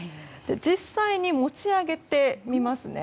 実際に持ち上げてみますね。